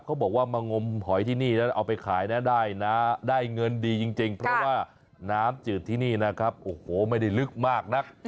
เขาบอกว่ามางมหอยที่นี่แล้วเอาไปขายนะได้นะได้เงินดีจริงเพราะว่าน้ำจืดที่นี่นะครับโอ้โหไม่ได้ลึกมากนัก